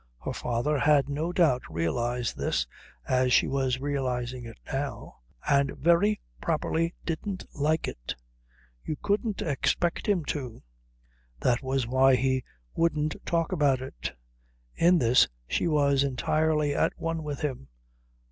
Her father had no doubt realised this as she was realising it now, and very properly didn't like it. You couldn't expect him to. That was why he wouldn't talk about it. In this she was entirely at one with him.